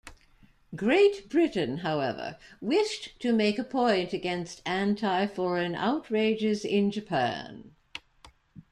Great Britain; however, wished to make a point against anti-foreign outrages in Japan.